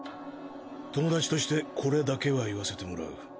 友達としてこれだけは言わせてもらう。